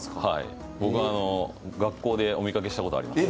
僕は学校でお見かけしたことがあります。